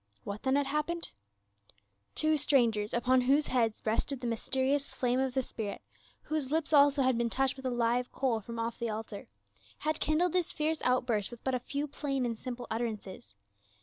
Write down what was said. What then had happened ? Two strangers, upon whose heads rested the mys terious flame of the Spirit, whose lips also had been touched with a live coal from off the altar, had kindled this fierce outburst with but a few plain and simple utterances.